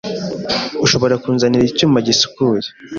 Ushobora kunzanira icyuma gisukuye?